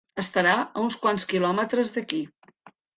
Estarà a uns quants quilòmetres d'aquí.